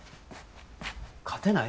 勝てない？